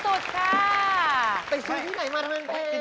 ลูกภาษาที่ซื้อที่ไหนมาวรรณเพศ